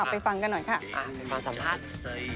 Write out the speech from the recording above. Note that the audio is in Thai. เอาไปฟังกันหน่อยค่ะอ่าเป็นความสัมภาษณ์